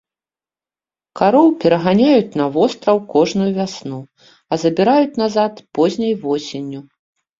Кароў пераганяюць на востраў кожную вясну, а забіраюць назад позняй восенню.